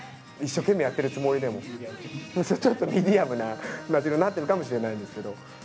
一生懸命やってるつもりでも、ちょっとミディアムな夏色になってるかもしれないですけど。